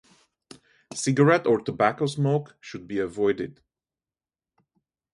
Cigarette or tobacco smoke should be avoided.